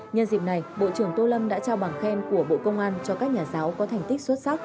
nhân dịp này bộ trưởng tô lâm đã trao bằng khen của bộ công an cho các nhà giáo có thành tích xuất sắc